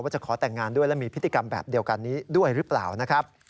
ว่าจะขอแต่งงานด้วยและมีพิธีกรรมแบบเดียวกันนี้ด้วยหรือเปล่า